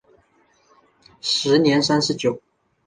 时年三十九。